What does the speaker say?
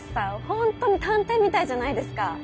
本当に探偵みたいじゃないですか。